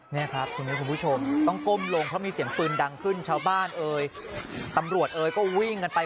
นี่ครับคุณมิวคุณผู้ชมต้องก้มลงเพราะมีเสียงปืนดังขึ้นชาวบ้านเอ่ยตำรวจเอ่ยก็วิ่งกันไป